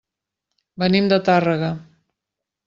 Venim de Tàrrega.